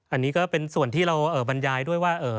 อันนี้ก็เป็นส่วนที่เราบรรยายด้วยว่า